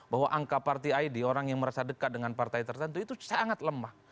bahwa angka party id orang yang merasa dekat dengan partai tertentu itu sangat lemah